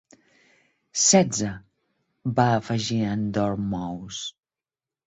"Setze", va afegir en Dormouse.